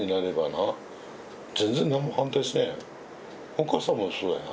お母さんもそうだよ。